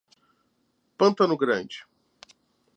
Pantano Grande